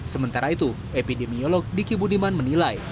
sementara itu epidemiolog diki budiman menilai